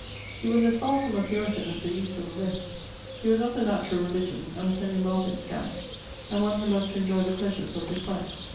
He was as far from a puritan as the East from the West. He was of the naturall religion, and of Henry Martyn's gang, and one who loved to enjoy the pleasures of this life.